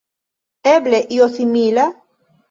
Eble io simila?